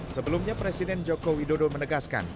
sebelumnya presiden joko widodo menegaskan